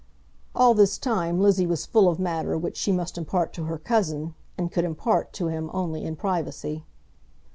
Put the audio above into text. All this time Lizzie was full of matter which she must impart to her cousin, and could impart to him only in privacy.